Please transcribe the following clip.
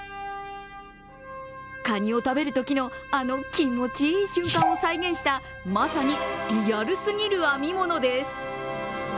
カニを食べるときの、あの気持ちいい瞬間を再現したまさにリアルすぎる編み物です。